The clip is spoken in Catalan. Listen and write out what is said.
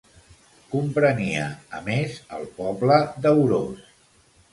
Comprenia, a més, el poble d'Aurós.